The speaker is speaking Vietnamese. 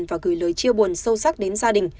và gửi lời chia buồn sâu sắc đến gia đình